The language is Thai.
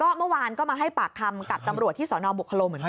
เมื่อวานก็มาให้ปากคำกับตำรวจที่สนบุคโลเหมือนกัน